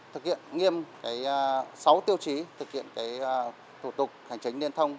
thực hiện nghiêm sáu tiêu chí thực hiện thủ tục hành chính liên thông